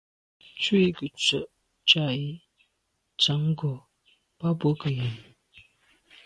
Ntshu i nke ntswe’ tsha’ yi ntsan ngo’ bàn bwe ke yen.